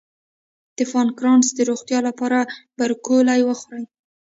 د پانکراس د روغتیا لپاره بروکولي وخورئ